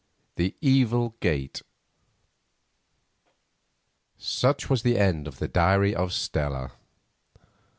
THE EVIL GATE Such was the end of the diary of Stella.